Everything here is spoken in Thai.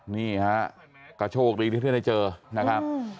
นี่ฮะก็โชคดีที่เพื่อนได้เจอนะครับ